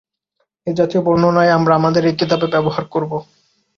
এ জাতীয় বর্ণনাই আমরা আমাদের এ কিতাবে ব্যবহার করব।